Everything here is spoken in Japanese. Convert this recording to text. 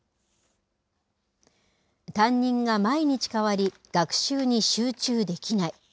担任が毎日替わり、学習に集中できない。